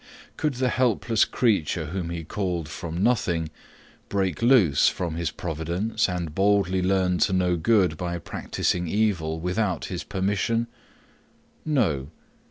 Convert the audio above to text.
Could the helpless creature whom he called from nothing, break loose from his providence, and boldly learn to know good by practising evil without his permission? No.